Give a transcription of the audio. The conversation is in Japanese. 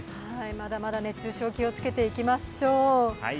まだまだ熱中症、気をつけていきましょう。